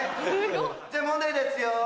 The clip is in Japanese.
じゃあ問題出すよ。